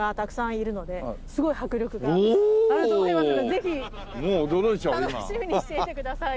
ぜひ楽しみにしていてください。